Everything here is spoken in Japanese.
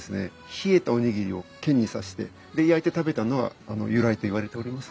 冷えたおにぎりを剣に刺してで焼いて食べたのが由来といわれております。